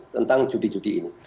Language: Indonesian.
tentang judi judi ini